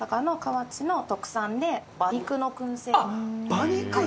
馬肉。